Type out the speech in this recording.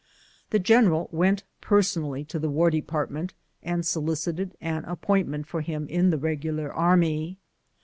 The general went personally to the War Department, and solicited an appointment for him in the Eegular Army.